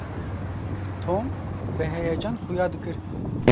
Tom bi heyecan xuya dikir.